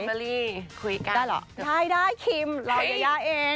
ได้หรือใช่คีมเรายะเอง